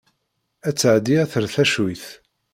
Ad tɛeddi ad terr tacuyt.